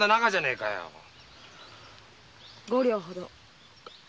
五両ほど。